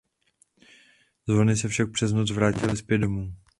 Zvony se však přes noc vrátily zpět domů.